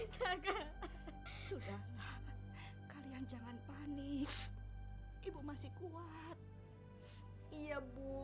sampai jumpa di video selanjutnya